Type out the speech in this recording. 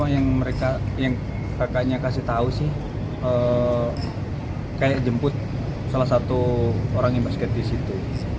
yang kakaknya kasih tau sih kayak jemput salah satu orang yang basket disitu